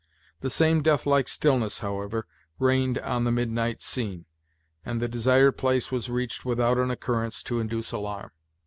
The same death like stillness, however, reigned on the midnight scene, and the desired place was reached without an occurrence to induce alarm.